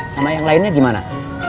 sama yang lainnya gimana